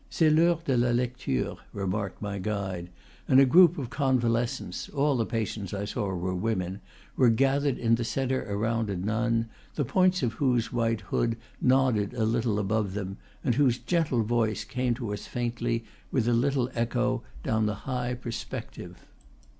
"C'est l'heure de la lecture," remarked my guide; and a group of conva lescents all the patients I saw were women were gathered in the centre around a nun, the points of whose white hood nodded a little above them, and whose gentle voice came to us faintly, with a little echo, down the high perspective.